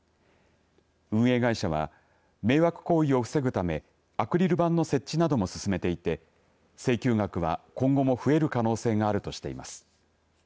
運営会社は迷惑行為を防ぐためアクリル板の設置なども進めていて請求額は今後も増える可能性があるとしています。